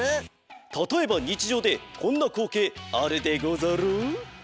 たとえばにちじょうでこんなこうけいあるでござろう？